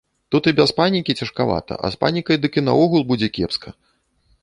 Тут і без панікі цяжкавата, а з панікай дык і наогул будзе кепска.